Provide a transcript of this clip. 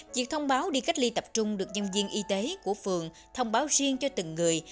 việc thông báo đi cách ly tập trung được nhân viên y tế của phường thông báo riêng cho từng người